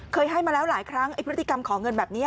เคยให้มาแล้วหลายครั้งไอ้พฤติกรรมขอเงินแบบนี้